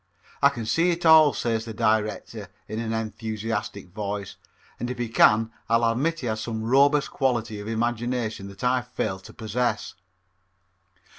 "I can see it all," says the Director, in an enthusiastic voice, and if he can I'll admit he has some robust quality of imagination that I fail to possess.